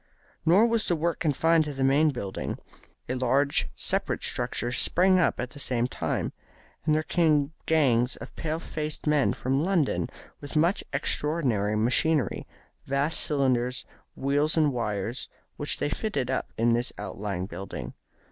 Nor was the work confined to the main building. A large separate structure sprang up at the same time, and there came gangs of pale faced men from London with much extraordinary machinery, vast cylinders, wheels and wires, which they fitted up in this outlying building.